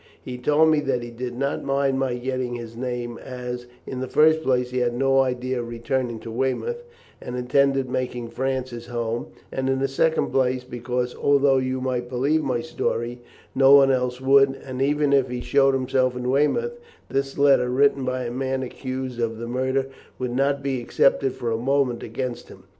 He told me that he did not mind my getting his name as, in the first place, he had no idea of returning to Weymouth, and intended making France his home; and, in the second place, because, although you might believe my story, no one else would, and even if he showed himself in Weymouth, this letter, written by a man accused of the murder, would not be accepted for a moment against him.